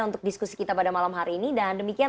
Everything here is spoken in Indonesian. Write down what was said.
untuk diskusi kita pada malam hari ini dan demikian